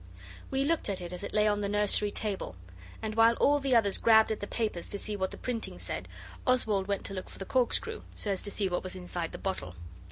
We looked at it as it lay on the nursery table, and while all the others grabbed at the papers to see what the printing said, Oswald went to look for the corkscrew, so as to see what was inside the bottle.